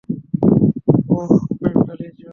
ওহ, mentalism.